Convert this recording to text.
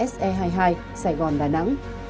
se hai mươi hai sài gòn đà nẵng